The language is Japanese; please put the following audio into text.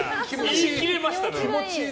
言い切りましたね。